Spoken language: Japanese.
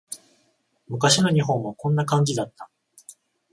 昔の日本もこんな感じだった